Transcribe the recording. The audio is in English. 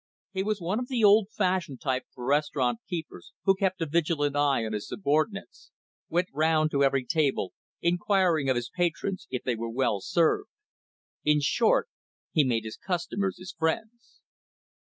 He was one of the old fashioned type of restaurant keepers who kept a vigilant eye on his subordinates, went round to every table, inquiring of his patrons if they were well served. In short, he made his customers his friends.